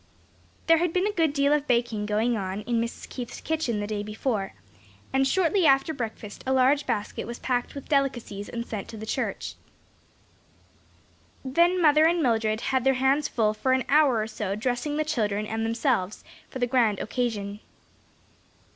There had been a good deal of baking going on in Mrs. Keith's kitchen the day before, and shortly after breakfast a large basket was packed with delicacies and sent to the church. Then mother and Mildred had their hands full for an hour or so in dressing the children and themselves for the grand occasion.